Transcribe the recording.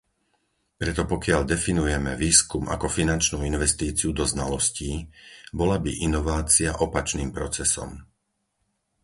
Preto pokiaľ definujeme výskum ako finančnú investíciu do znalostí, bola by inovácia opačným procesom.